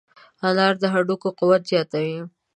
انار د هډوکو قوت زیاتوي.